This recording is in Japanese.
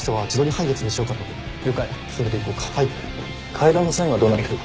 階段のサインはどうなってる？